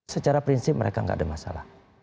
secara prinsip mereka nggak ada masalah